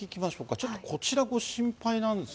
ちょっとこちら、ご心配なんです